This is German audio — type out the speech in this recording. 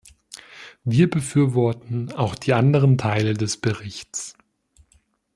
Wir befürworten auch die anderen Teile des Berichts.